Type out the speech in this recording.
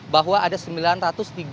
bahwa ada kendaraan yang terlihat melanggar